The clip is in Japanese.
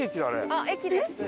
あっ駅です。